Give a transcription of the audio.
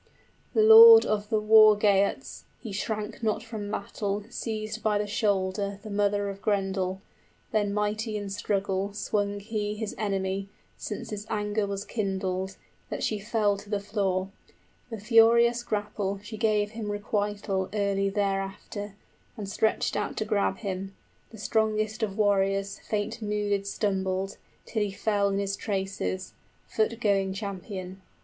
The lord of the War Geats (He shrank not from battle) seized by the shoulder The mother of Grendel; then mighty in struggle 65 Swung he his enemy, since his anger was kindled, That she fell to the floor. With furious grapple {Beowulf falls.} She gave him requital early thereafter, And stretched out to grab him; the strongest of warriors Faint mooded stumbled, till he fell in his traces, {The monster sits on him with drawn sword.} 70 Foot going champion.